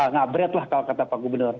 ngabret lah kalau kata pak gubernur